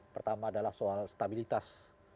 pertama adalah soal stabilitas